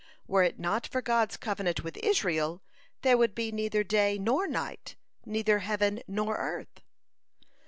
Were it not for God's covenant with Israel, there would be neither day nor night, neither heaven nor earth.